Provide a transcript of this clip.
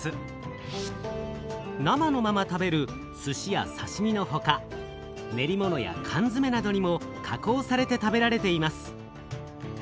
生のまま食べるすしやさしみのほか練り物やかんづめなどにも加工されて食べられています。